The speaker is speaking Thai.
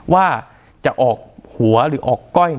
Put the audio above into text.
ว่าจะออกหัวหรือออกก้อย